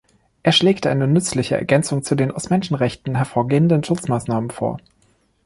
Er schlägt eine nützliche Ergänzung zu den aus den Menschenrechten hervorgehenden Schutzmaßnahmen vor.